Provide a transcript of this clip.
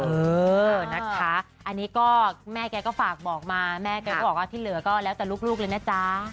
เออนะคะอันนี้ก็แม่แกก็ฝากบอกมาแม่แกก็บอกว่าที่เหลือก็แล้วแต่ลูกเลยนะจ๊ะ